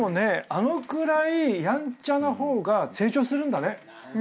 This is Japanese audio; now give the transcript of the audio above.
あのくらいヤンチャな方が成長するんだね。